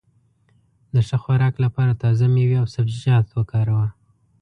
د ښه خوراک لپاره تازه مېوې او سبزيجات وکاروه.